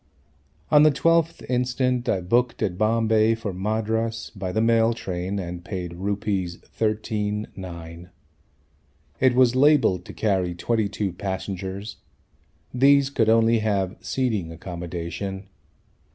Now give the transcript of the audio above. On the 12th instant I booked at Bombay for Madras by the mail train and paid Rs. 13 9. It was labelled to carry 22 passengers. These could only have seating accommodation.